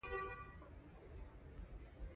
د اعشاري عدد د لوستلو لپاره د ورنيې برخو ته وګورئ.